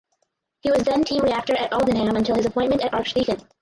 He was then Team Rector at Aldenham until his appointment as Archdeacon.